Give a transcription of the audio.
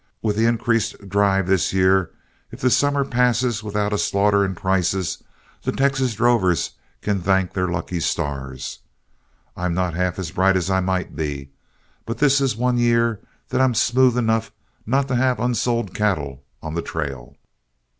With the increased drive this year, if the summer passes without a slaughter in prices, the Texas drovers can thank their lucky stars. I'm not half as bright as I might be, but this is one year that I'm smooth enough not to have unsold cattle on the trail."